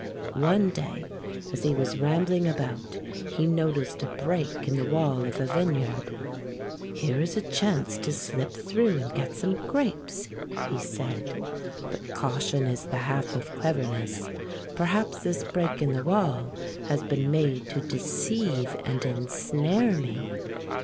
One day, as he was rambling about, he noticed a break in the wall of a vineyard. ''Here is a chance to slip through and get some grapes," he said. "But caution is the half of cleverness — perhaps this break in the wall has been made to deceive and en snare me."